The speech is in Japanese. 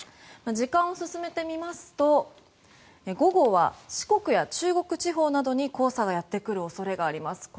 時間を進めてみますと午後は四国や中国地方などに黄砂がやってくる恐れがあります。